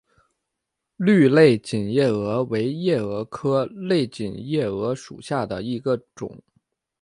绿类锦夜蛾为夜蛾科类锦夜蛾属下的一个种。